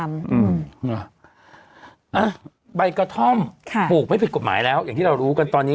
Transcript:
อ่ะใบกระท่อมค่ะปลูกไม่ผิดกฎหมายแล้วอย่างที่เรารู้กันตอนนี้